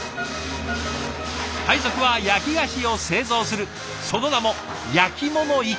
配属は焼き菓子を製造するその名も焼物１課。